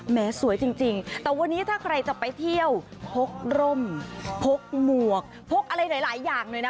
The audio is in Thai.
สวยจริงแต่วันนี้ถ้าใครจะไปเที่ยวพกร่มพกหมวกพกอะไรหลายอย่างเลยนะ